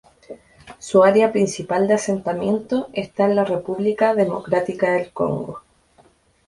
Su área principal de asentamiento está en la República Democrática del Congo.